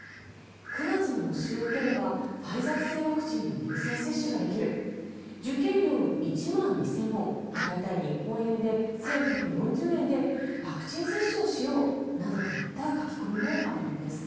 ９月の模試を受ければファイザー製ワクチンの優先接種ができる受験料１万２０００ウォン大体日本円で１１４０円でワクチン接種をしようなどといった書き込みもあるようです。